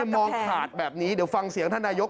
มองขาดแบบนี้เดี๋ยวฟังเสียงท่านนายก